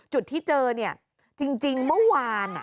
จุดที่เจอเนี่ยจริงเมื่อวาน